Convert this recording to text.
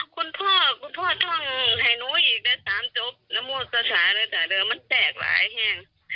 คุณพ่อคุณพ่อช่องไทยน้วยอีกนะสามโจปนะโมซาซาเลยแสดงเลยมันแจกหลายแห้ง